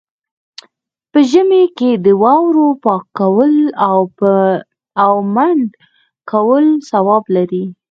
په ژمي کې د واورو پاکول او منډ کول ثواب لري.